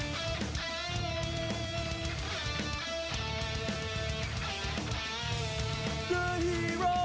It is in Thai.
แบบนี้ชาวเลนจ์